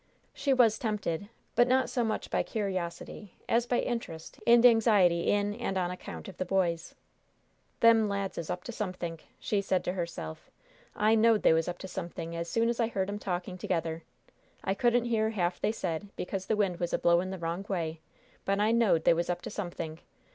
She was tempted, but not so much by curiosity as by interest and anxiety in and on account of the boys. "Them lads is up to somethink!" she said to herself. "I knowed they was up to somethink as soon as I heard 'em talking together! I couldn't hear half they said, because the wind was a blowin' the wrong way, but I knowed they was up to somethink!